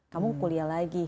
kamu kuliah lagi